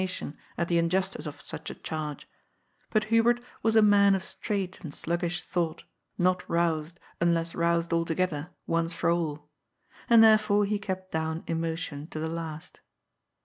tion at the in justice of snch a charge, but Hubert was a man of straight and sluggish thought, not roused, unless roused altogether, once for all. And therefore he kept down emotion, to the last.